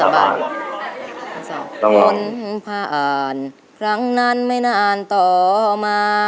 มนต์พาอ่านครั้งนั้นไม่นานต่อมา